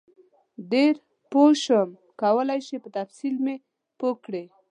ډېر پوه شم کولای شئ په تفصیل مې پوه کړئ؟